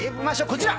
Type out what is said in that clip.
こちら！